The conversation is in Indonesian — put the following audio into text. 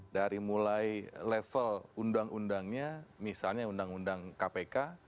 dari mulai level undang undangnya misalnya undang undang kpk